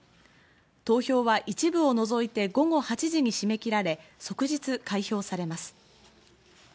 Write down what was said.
投票は、一部を除いて午後８時に締め切られ、即日開票されます。